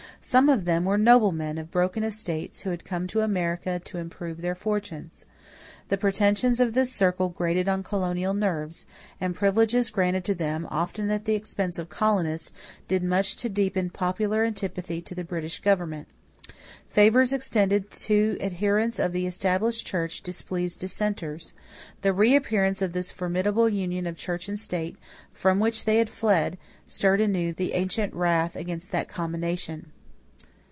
Some of them were noblemen of broken estates who had come to America to improve their fortunes. The pretensions of this circle grated on colonial nerves, and privileges granted to them, often at the expense of colonists, did much to deepen popular antipathy to the British government. Favors extended to adherents of the Established Church displeased Dissenters. The reappearance of this formidable union of church and state, from which they had fled, stirred anew the ancient wrath against that combination.